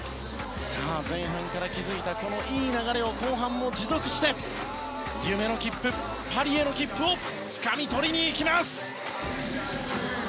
前半から築いたこのいい流れを後半も持続して夢の切符、パリへの切符をつかみ取りにいきます！